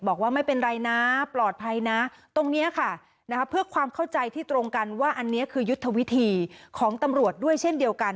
บอกว่าไม่เป็นไรนะปลอดภัยนะตรงนี้ค่ะเพื่อความเข้าใจที่ตรงกันว่าอันนี้คือยุทธวิธีของตำรวจด้วยเช่นเดียวกัน